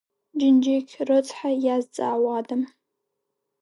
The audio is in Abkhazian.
Џьынџьықь рыцҳа иазҵаауада?